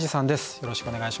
よろしくお願いします。